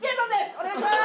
お願いします！